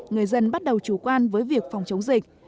người dân bắt đầu chủ quan với việc phòng chống dịch